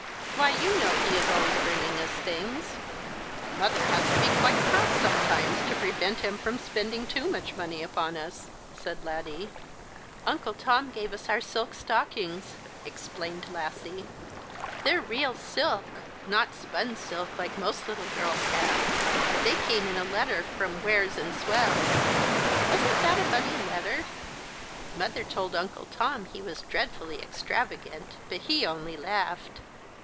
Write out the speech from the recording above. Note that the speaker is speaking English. Why, you know he is always bringing us things. Mother has to be quite cross sometimes to prevent him spending too much money upon us," said Laddie. "Uncle Tom gave us our silk stockings," explained The Christmas Hirelings. 141 Lassie. "They're real silk; not spun silk, like most little girls have. They came in a letter from Wears and Swells. AVasn't that a funny letter? Mother told Uncle Tom he was dreadfully extravagant ; but he only laughed.